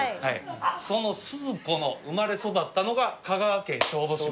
そのスズコの生まれ育ったのが香川県小豆島。